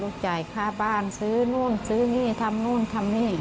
จ่ายค่าบ้านซื้อนู่นซื้อนี่ทำนู่นทำนี่